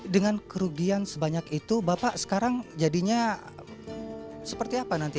dengan kerugian sebanyak itu bapak sekarang jadinya seperti apa nanti